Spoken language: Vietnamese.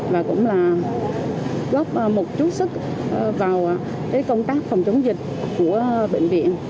và cũng là góp một chút sức vào công tác phòng chống dịch của bệnh viện